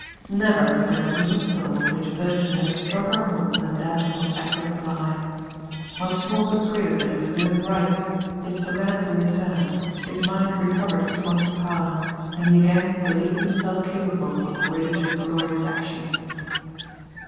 Never was there a human soul on which virtue had a stronger hold than that of Edward Bli^h. Once more persuaded that he was doing right, his serenity returned, his mind recovered its wonted power, and he again believed himself capable of great and glorious actions.